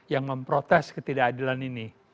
yang memprotes ketidakadilan ini